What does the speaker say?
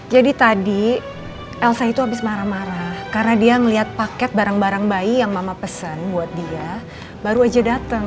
jadi tadi elsa itu abis marah marah karena dia ngeliat paket barang barang bayi yang mama pesen buat dia baru aja dateng